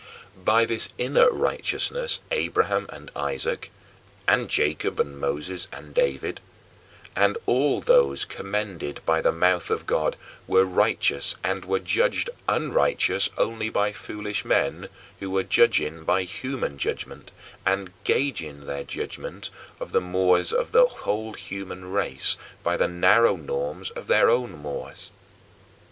By this inner righteousness Abraham and Isaac, and Jacob and Moses and David, and all those commended by the mouth of God were righteous and were judged unrighteous only by foolish men who were judging by human judgment and gauging their judgment of the mores of the whole human race by the narrow norms of their own mores.